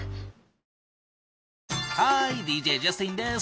ハーイＤＪジャスティンです！